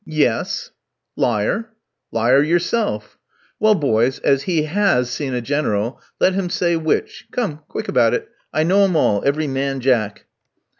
"Yes." "Liar!" "Liar, yourself!" "Well, boys, as he has seen a General, let him say which. Come, quick about it; I know 'em all, every man jack."